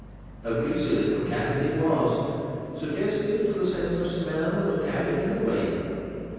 A greasy little cabin it was, suggestive to the sense of smell, of a cabin in a Whaler.